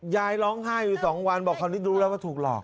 ยายร้องไห้อยู่๒วันบอกคราวนี้รู้แล้วว่าถูกหลอก